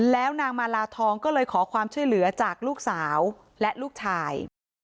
แล้วนางมาลาทองก็เลยขอความช่วยเหลือจากลูกสาวและลูกชาย